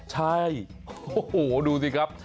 ใช่โอ้โหดูสิครับ